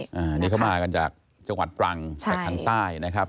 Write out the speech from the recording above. อันนี้เขามากันจากจังหวัดตรังจากทางใต้นะครับ